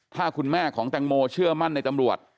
ถ้าคุณแม่ของแตงโมเชื่อมั่นในตำรวจ